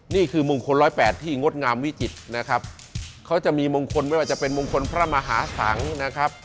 นี่คือมงคล๑๐๘ที่งดงามวิจิตรนะครับเขาจะมีมงคลไม่ว่าจะเป็นมงคลพระมหาสังนะครับ